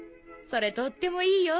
それとってもいいよ